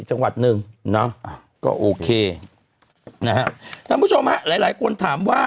จังหวัดหนึ่งเนาะก็โอเคนะฮะท่านผู้ชมฮะหลายหลายคนถามว่า